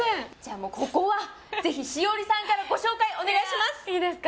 もうここはぜひ栞里さんからご紹介お願いしますいいですか？